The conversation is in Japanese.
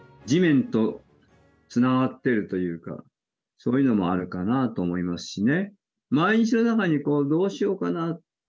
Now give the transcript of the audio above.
そういうのもあるかなと思いますしね。